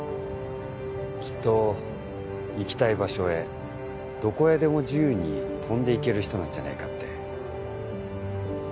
きっと行きたい場所へどこへでも自由に飛んで行ける人なんじゃないかって。